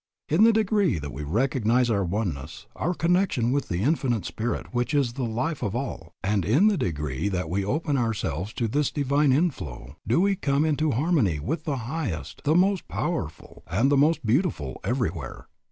In the degree that we recognize our oneness, our connection with the Infinite Spirit which is the life of all, and in the degree that we open ourselves to this divine inflow, do we come into harmony with the highest, the most powerful, and the most beautiful everywhere.